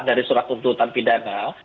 dari surat tuntutan pidana